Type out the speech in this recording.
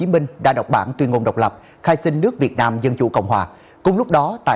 mình cần phải cố gắng hơn nữa